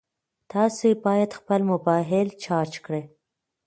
تاسي باید خپل موبایل چارج کړئ.